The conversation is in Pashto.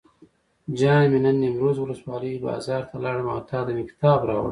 جان مې نن نیمروز ولسوالۍ بازار ته لاړم او تاته مې کتاب راوړل.